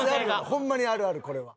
ホンマにあるあるこれは。